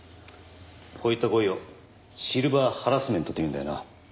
こういった行為をシルバーハラスメントというんだよな。